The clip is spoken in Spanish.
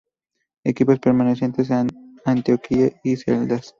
Equipos pertenecientes a Antioquia y Caldas.